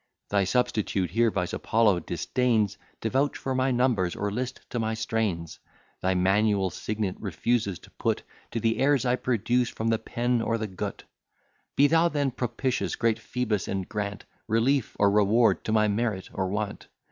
Thy substitute here, Vice Apollo, disdains To vouch for my numbers, or list to my strains; Thy manual signet refuses to put To the airs I produce from the pen or the gut. Be thou then propitious, great Phoebus! and grant Relief, or reward, to my merit, or want.